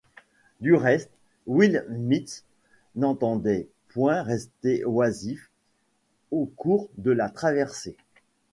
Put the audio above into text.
Du reste, Will Mitz n’entendait point rester oisif au cours de la traversée.